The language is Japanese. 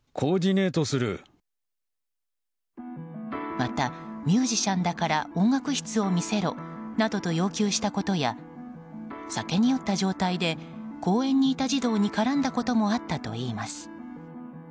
また、ミュージシャンだから音楽室を見せろなどと要求したことや酒に酔った状態で公園にいた児童に絡んだこともあったといいます。